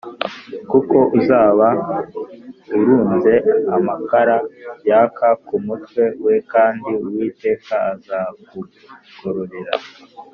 kuko uzaba urunze amakara yaka ku mutwe we, kandi uwiteka azakugororera